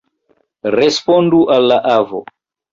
Respondu al la avo!